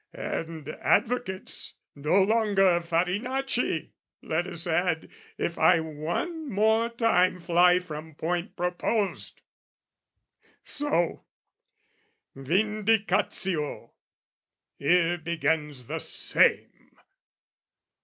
And advocates No longer Farinacci, let men add, If I one more time fly from point proposed! So, Vindicatio, here begins the same!